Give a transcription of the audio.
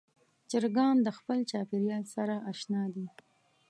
چرګان د خپل چاپېریال سره اشنا دي.